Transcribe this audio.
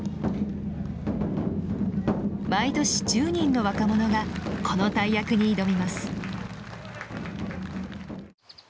毎年１０人の若者がこの大役に挑みます。